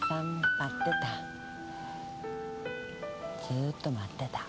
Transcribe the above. ずーっと待ってた。